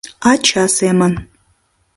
Ача семын.